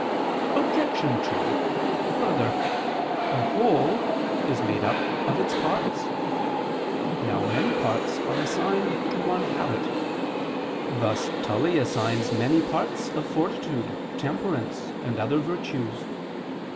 Obj. 2: Further, a whole is made up of its parts. Now many parts are assigned to one habit: thus Tully assigns many parts of fortitude, temperance, and other virtues.